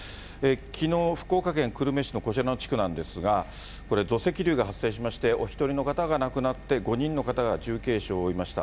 きのう、福岡県久留米市のこちらの地区なんですが、これ、土石流が発生しまして、お１人の方が亡くなって、５人の方が重軽傷を負いました。